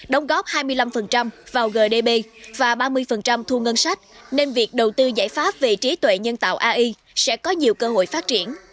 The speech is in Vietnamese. đồng góp hai mươi năm vào gdp và ba mươi thu ngân sách nên việc đầu tư giải pháp về trí tuệ nhân tạo ai sẽ có nhiều cơ hội phát triển